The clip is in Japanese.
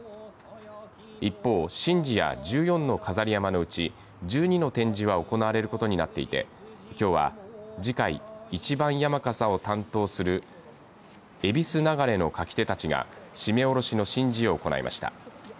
一方、神事や１４の飾り山笠のうち１２の展示が行われることになっていてきょうは次回一番山笠を担当する恵比寿流の舁き手たちが注連下ろしの神事を行いました。